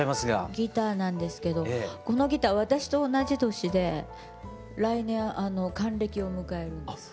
ギターなんですけどこのギター私と同じ年で来年還暦を迎えるんです。